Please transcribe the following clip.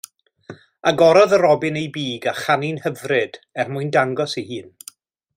Agorodd y robin ei big a chanu'n hyfryd, er mwyn dangos ei hun.